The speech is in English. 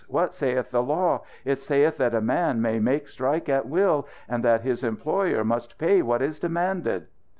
What saith the law? It saith that a man may make strike at will; and that his employer must pay what is demanded!'